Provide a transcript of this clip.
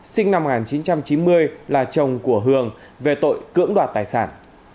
sinh năm một nghìn chín trăm chín mươi là chồng của hường về tội cưỡng đoạt tài sản